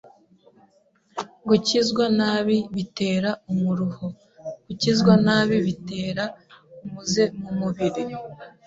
gukizwa nabi bitera umuruho, gukizwa nabi bitera umuze mu mubiri,